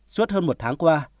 suốt hơn một tháng qua